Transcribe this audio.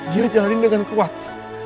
dia jalanin dengan kuat